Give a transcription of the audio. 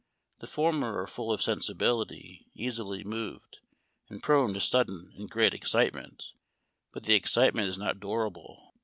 The former are full of sensibility, easily moved, and prone to sud den and great excitement ; but the excitement is not durable.